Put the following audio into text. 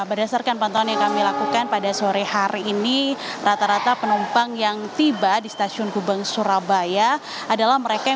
ada lebih dari sembilan puluh dua penumpang yang tiba di bandara